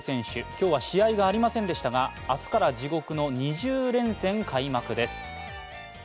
今日は試合がありませんでしたが明日から地獄の２０連戦開幕です。